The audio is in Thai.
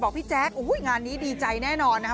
บอกพี่แจ๊กอุ้ยงานนี้ดีใจแน่นอนนะครับ